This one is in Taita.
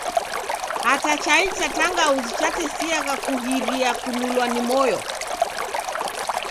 Hata chai cha tangauzi chikutesiagha kughiria kululwa ni moyo.